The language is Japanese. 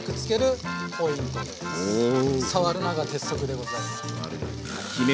「触るな」が鉄則でございます。